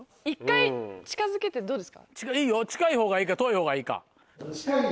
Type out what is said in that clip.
いいよ近い方がいいか遠い方がいいか。